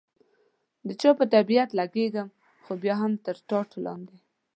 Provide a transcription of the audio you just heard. د چا په طبیعت لګېږي، خو بیا هم تر ټاټ لاندې.